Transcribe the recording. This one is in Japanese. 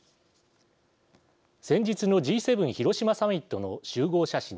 先日のＧ７広島サミットの集合写真です。